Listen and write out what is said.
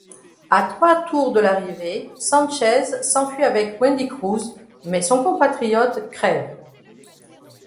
À trois tours de l'arrivée, Sánchez s'enfuit avec Wendy Cruz, mais son compatriote crève.